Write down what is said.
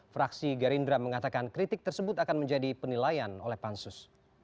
fraksi gerindra mengatakan kritik tersebut akan menjadi penilaian oleh pansus